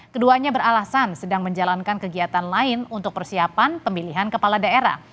keduanya beralasan sedang menjalankan kegiatan lain untuk persiapan pemilihan kepala daerah